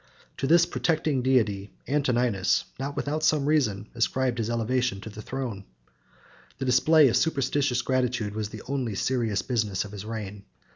To this protecting deity, Antoninus, not without some reason, ascribed his elevation to the throne. The display of superstitious gratitude was the only serious business of his reign.